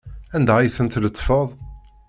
Anda ay tent-tletfeḍ?